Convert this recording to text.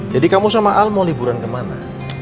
jadi kamu sama al mau liburan kemana